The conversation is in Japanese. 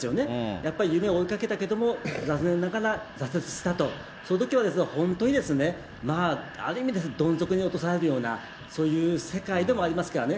やっぱり夢を追いかけたけども、残念ながら挫折したと、そのときは本当にまあ、ある意味でどん底に落とされるような、そういう世界でもありますからね、